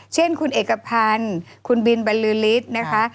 เช่นคุณเอกพันธ์คุณบิลบรี้ลิศส์นะคะ